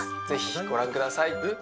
是非ご覧ください